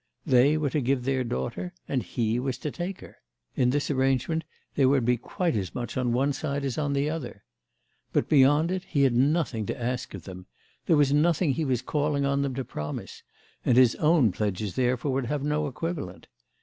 They were to give their daughter and he was to take her: in this arrangement there would be as much on one side as on the other. But beyond it he had nothing to ask of them; there was nothing he was calling on them to promise, and his own pledges therefore would have no equivalent.